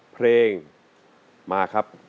เพลงมาครับ